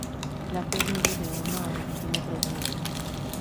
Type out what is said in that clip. La flor mide de uno a dos centímetros de ancho.